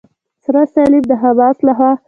سره صلیب د حماس لخوا.